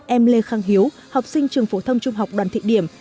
em lê khang hiếu học sinh trường phổ thông trung học đoàn thị điểm